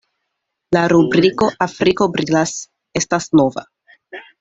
La rubriko "Afriko brilas" estas nova.